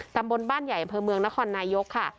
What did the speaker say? ตำบลบ้านใหญ่อำเภอเมืองนครนายกค่ะ